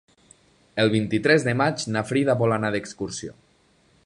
El vint-i-tres de maig na Frida vol anar d'excursió.